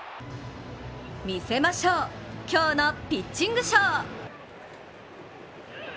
見せましょう、今日のピッチングショー！